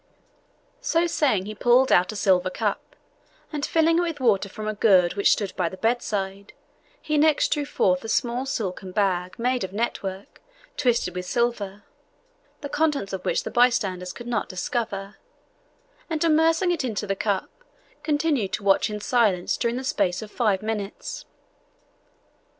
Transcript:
So saying he pulled out a silver cup, and filling it with water from a gourd which stood by the bedside, he next drew forth a small silken bag made of network, twisted with silver, the contents of which the bystanders could not discover, and immersing it in the cup, continued to watch it in silence during the space of five minutes.